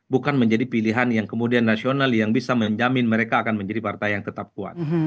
bukan menjadi pilihan yang kemudian nasional yang bisa menjamin mereka akan menjadi partai yang tetap kuat